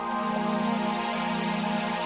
lara mau ikut sama om